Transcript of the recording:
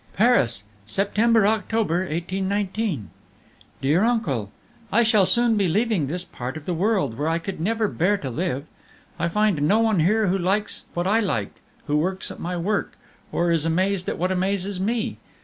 "PARIS, September October 1819. "DEAR UNCLE, I shall soon be leaving this part of the world, where I could never bear to live. I find no one here who likes what I like, who works at my work, or is amazed at what amazes me.